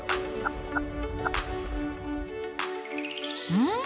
うん！